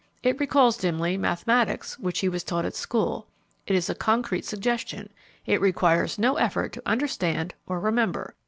It recalls dimly mathematics which he was taught at school. It is a concrete suggestion; it requires no effort to understand or remember.